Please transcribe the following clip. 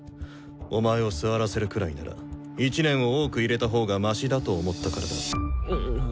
お前を座らせるくらいなら１年を多く入れたほうがマシだと思ったからだ。